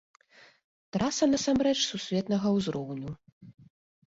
Траса насамрэч сусветнага узроўню.